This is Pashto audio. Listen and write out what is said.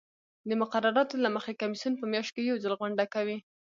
د مقرراتو له مخې کمیسیون په میاشت کې یو ځل غونډه کوي.